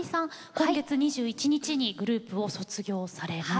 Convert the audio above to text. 今月２１日にグループを卒業されます。